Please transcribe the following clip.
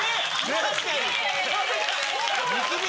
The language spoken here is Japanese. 確かに。